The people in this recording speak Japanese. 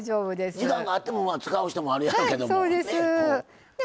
時間があっても使う人もあるやろうけども。